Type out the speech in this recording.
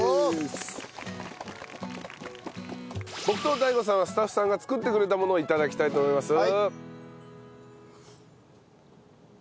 僕とＤＡＩＧＯさんはスタッフさんが作ってくれたものを頂きたいと思います。